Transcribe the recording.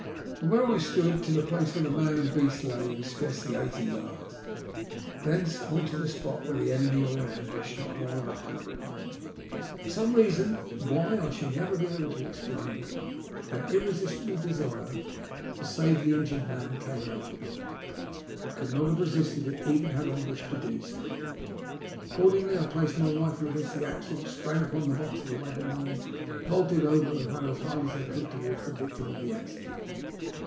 From where I stood, to the place where the man and beast lay, was scarcely eighty yards ; thence, on to the spot where the enemy were in ambush, not more than a hundred. For some reason — why, I shall never be able to explain — an irresistible desire to save the injured man came over me. I could not have re sisted it, even had I wished to do so. Accordingly, I placed my rifle against the axle, sprang upon the box of the waggon wheel, vaulted over, and ran as hard as I could go towards the victim of the accident.